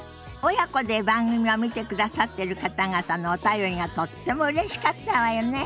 親子で番組を見てくださってる方々のお便りがとってもうれしかったわよね。